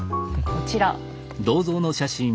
こちら。